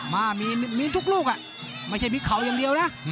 มามีทุกลูกไม่ใช่พริกเขาอย่างเดียวนะ